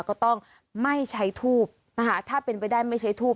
ก็ต้องไม่ใช้ทูบนะคะถ้าเป็นไปได้ไม่ใช้ทูบ